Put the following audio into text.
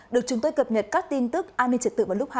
được chúng tôi cập nhật các tin tức an ninh trật tự vào lúc hai h